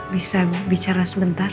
bisa bicara sebentar